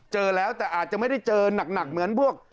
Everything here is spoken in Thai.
เจอแล้วแต่อาจจะไม่ได้เจอหนักเหมือนพวก